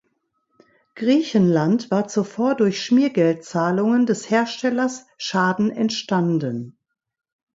Griechenland war zuvor durch Schmiergeldzahlungen des Herstellers Schaden entstanden.